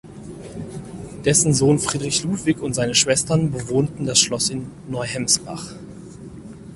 Dessen Sohn Friedrich Ludwig und seine Schwestern bewohnten das Schloss in Neuhemsbach.